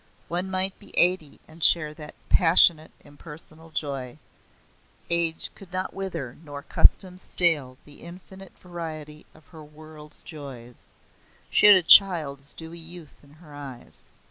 One might be eighty and share that passionate impersonal joy. Age could not wither nor custom stale the infinite variety of her world's joys. She had a child's dewy youth in her eyes.